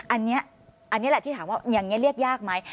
อันนี้แหละที่ถามว่าอย่างนี้เรียกยากไหม